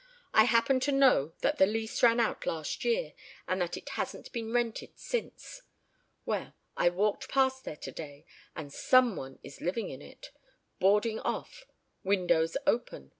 I happen to know that the lease ran out last year and that it hasn't been rented since. Well, I walked past there today, and some one is living in it. Boarding off. Windows open.